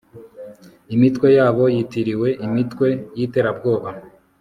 Imitwe yabo yitiriwe imitwe yiterabwoba